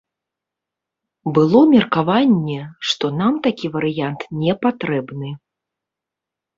Было меркаванне, што нам такі варыянт не патрэбны.